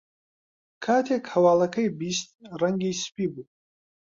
کاتێک هەواڵەکەی بیست، ڕەنگی سپی بوو.